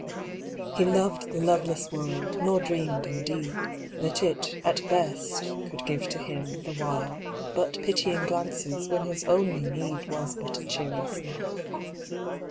He loved the loveless world, nor dreamed, in deed. That it, at best, could give to him, the while. But pitying glances, when his only need Was but a cheery smile.